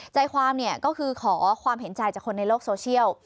ใจความเนี่ยก็คือขอความเห็นใจจากคนในโลกโซเชียล